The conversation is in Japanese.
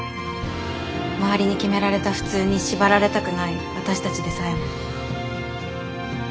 周りに決められた普通に縛られたくない私たちでさえも。